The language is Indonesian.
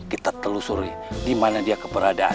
kita telusuri dimana dia keberadaan